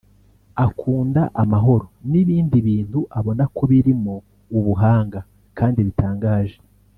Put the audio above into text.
akunda amahoro n’ibindi bintu abona ko birimo ubuhanga kandi bitangaje